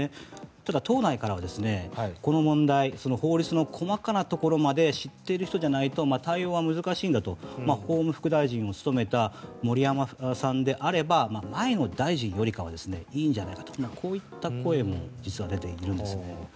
ただ、党内からは、この問題法律の細かなところまで知っている人じゃないと対応は難しいんだと法務副大臣を務めた盛山さんであれば前の大臣よりはいいんじゃないかとこういった声も実は出ているんですね。